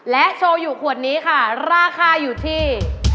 โชว์อยู่ขวดนี้ค่ะราคาอยู่ที่